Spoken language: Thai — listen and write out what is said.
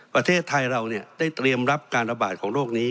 ประเทศไทยเราได้เตรียมรับการระบาดของโรคนี้